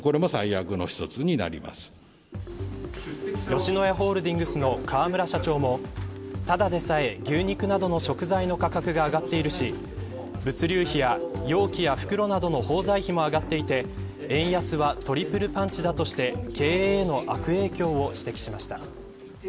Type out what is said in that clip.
吉野家ホールディングスの河村社長もただでさえ、牛肉などの食材の価格が上がっているし物流費や容器や袋などの包材費も上がっていて円安はトリプルパンチだとして経営への悪影響を指摘しました。